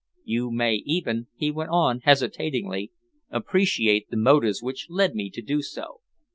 You may even," he went on, hesitatingly, "appreciate the motives which led me to do so."